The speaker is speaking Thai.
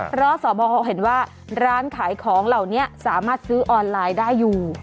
เพราะสบเขาเห็นว่าร้านขายของเหล่านี้สามารถซื้อออนไลน์ได้อยู่